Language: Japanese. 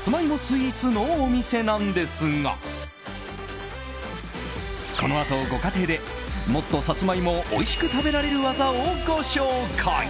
スイーツのお店なんですがこのあと、ご家庭でもっとサツマイモをおいしく食べられる技をご紹介。